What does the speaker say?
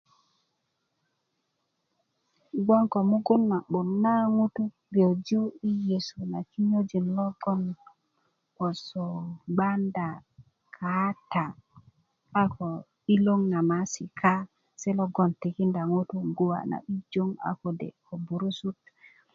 gboŋ ko mugun na'but na ŋutu' ryöju yi nyesu na kinyojin logoŋ gboso bganda ko kaata a ko iloŋ na maasika se logoŋ tikinda ŋutu guwa na'bijo a kode' ko burusut